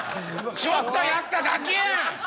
ちょっとやっただけやん！